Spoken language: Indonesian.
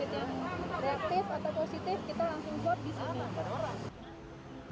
kita langsung buat di sini